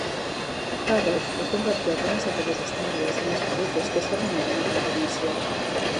Hal Roach va convertir algunes d'aquelles històries en les pel·lícules que s'enumeren a continuació.